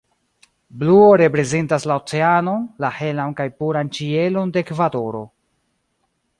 Bluo reprezentas la oceanon, la helan kaj puran ĉielon de Ekvadoro.